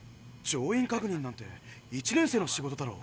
「乗員確認」なんて１年生の仕事だろ？